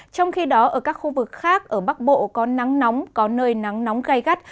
trong khi đó ở các khu vực khác ở bắc bộ có nắng nóng có nơi nắng nóng gai gắt